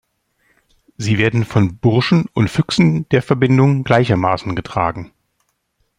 Sie werden von Burschen und Füchsen der Verbindung gleichermaßen getragen.